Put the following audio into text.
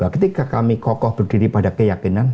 ketika kami kokoh berdiri pada keyakinan